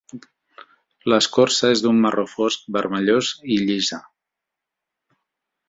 L'escorça és d'un marró fosc vermellós i llisa.